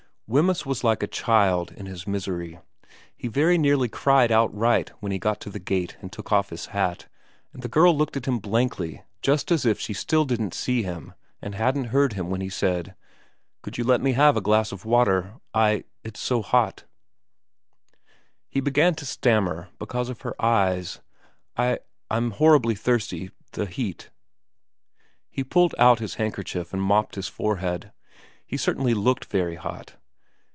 Wemyss was like a child in his misery. He very nearly cried outright when he got to the gate and took ofi his hat, and the girl looked at him blankly just as if she still didn't see him and hadn't heard him when he said, ' Could you let me have a glass of water ? I it's so hot ' He began to stammer because of her eyes. ' I I'm horribly thirsty the heat ' He pulled out his handkerchief and mopped his forehead. He certainly looked very hot.